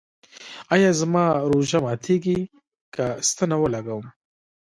ایا زما روژه ماتیږي که ستنه ولګوم؟